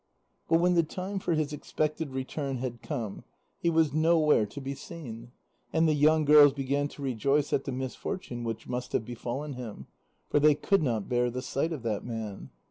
But when the time for his expected return had come, he was nowhere to be seen, and the young girls began to rejoice at the misfortune which must have befallen him. For they could not bear the sight of that man.